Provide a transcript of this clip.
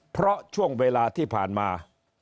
เพราะช่วงเวลาที่ผ่านมา